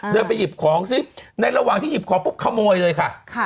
เดินไปหยิบของซิในระหว่างที่หยิบของปุ๊บขโมยเลยค่ะ